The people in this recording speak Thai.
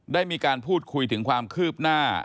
ได้มีการพูดคุยถึงความคืบหน้า